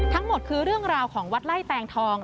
ทั้งหมดคือเรื่องราวของวัดไล่แตงทอง